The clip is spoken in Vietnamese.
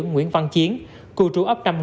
nguyễn văn chiến cư trú ấp năm